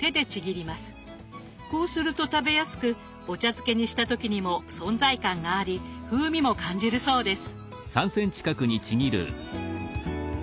こうすると食べやすくお茶漬けにした時にも存在感があり風味も感じるそうです。